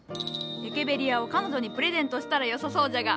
エケベリアを彼女にプレゼントしたらよさそうじゃが。